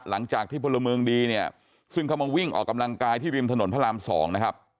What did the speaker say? พลเมืองดีเนี่ยซึ่งเขามาวิ่งออกกำลังกายที่ริมถนนพระราม๒นะครับ